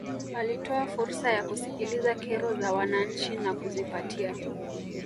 alitoa fursa ya kusikiliza kero za wananchi na kuzipatia